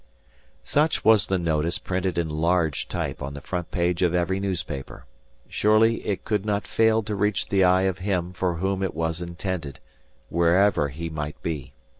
Such was the notice printed in large type on the front page of every newspaper. Surely it could not fail to reach the eye of him for whom it was intended, wherever he might be.